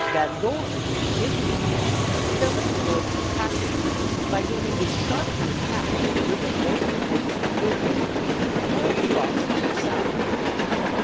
Van Dorn, in his retreat, fell in with Ord's detachment, by whom he was sharply attacked and driven away from Davis's Bridge and compelled to cross further south.